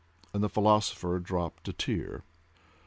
—and the philosopher dropped a tear.